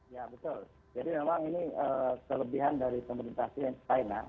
ya betul jadi memang ini kelebihan dari pemerintah china